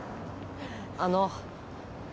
あの